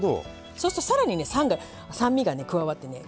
そうすると更にね酸味がね加わってね